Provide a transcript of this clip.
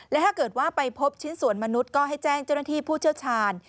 และถ้าเกิดว่าไปพบชิ้นส่วนมนุษย์ก็ให้แจ้งเจ้าหน้าที่ผู้เชี่ยวชาญ